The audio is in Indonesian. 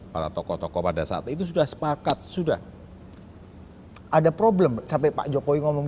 para tokoh tokoh pada saat itu sudah sepakat sudah ada problem sampai pak jokowi ngomong